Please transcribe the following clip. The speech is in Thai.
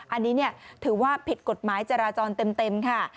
อันนี้ถือว่าผิดกฎหมายจราจรเต็มค่ะ